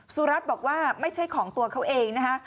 สุรัตน์บอกว่าไม่ใช่ของตัวเขาเองนะฮะ